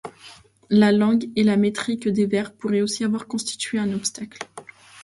La langue et la métrique des vers pourraient aussi avoir constitué un obstacle.